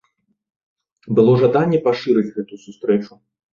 Было жаданне пашырыць гэту сустрэчу.